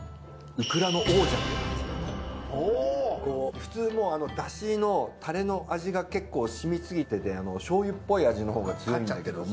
普通だしのタレの味が結構しみすぎてて醤油っぽい味のほうが強いんだけども。